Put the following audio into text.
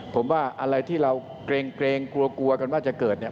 ผมว่าอะไรที่เราเกรงกลัวกลัวกันว่าจะเกิดเนี่ย